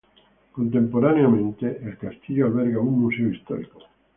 Contemporáneamente el castillo alberga un museo histórico.